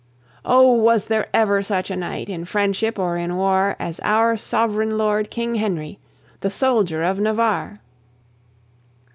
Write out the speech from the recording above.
Oh! was there ever such a knight, in friendship or in war, As our Sovereign Lord, King Henry, the soldier of Navarre?